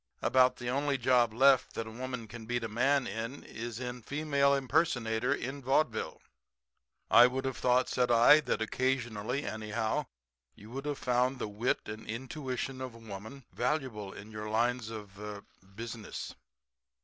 About the only job left that a woman can beat a man in is female impersonator in vaudeville." "I would have thought," said I, "that occasionally, anyhow, you would have found the wit and intuition of woman valuable to you in your lines of er business."